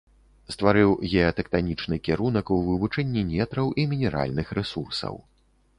Стварыў геатэктанічны кірунак у вывучэнні нетраў і мінеральных рэсурсаў.